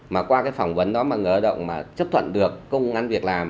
mà qua cái phỏng vấn đó mà người lao động mà chấp thuận được công an việc làm